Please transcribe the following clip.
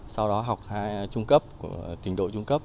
sau đó học trung cấp trình độ trung cấp